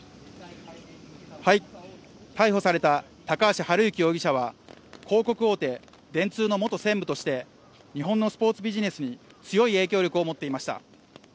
逮捕された高橋治之容疑者は広告大手・電通の元専務として日本のスポーツビジネスに強い影響力を持っていました。